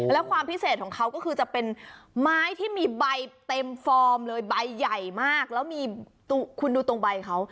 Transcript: แล้วความพิเศษของเขาก็คือจะเป็นไม้ที่มีใบเต็มฟอร์มเลยใบใหญ่มากแล้วมีคุณดูตรงใบเขา